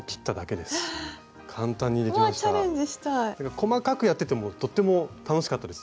細かくやっててもとっても楽しかったです。